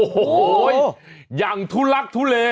โหอย่างทุลักทุเหล